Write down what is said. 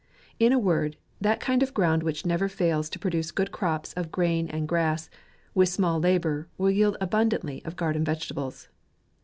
In a word, that kind of ground which never fails to produce good crops of grain and grass. with small labour, will yield abundantly of garden vegetables.